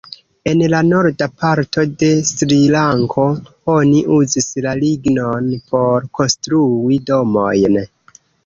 En la Norda parto de Srilanko oni uzis la lignon por konstrui domojn.